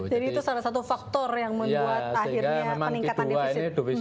jadi itu salah satu faktor yang membuat akhirnya peningkatan divisi